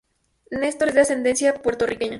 Nestor es de ascendencia puertorriqueña.